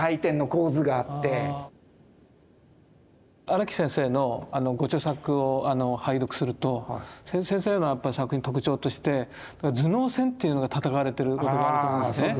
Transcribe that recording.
荒木先生のご著作を拝読すると先生の作品の特徴として頭脳戦っていうのが戦われてることがあると思うんですね。